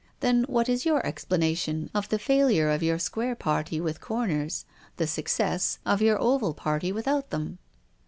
" Then what is your explanation of the failure of your square party with corners, the success of your oval party without them